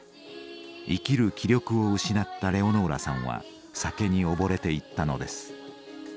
生きる気力を失ったレオノーラさんは酒に溺れていったのです。